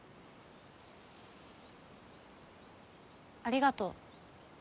ありがとう。